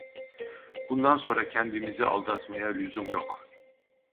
Bundan sonra kendimizi aldatmaya lüzum yok…